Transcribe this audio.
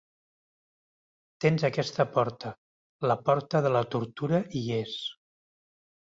Tens aquesta porta, la porta de la tortura hi és.